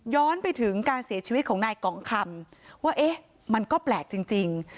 ไปถึงการเสียชีวิตของนายกองคำว่าเอ๊ะมันก็แปลกจริง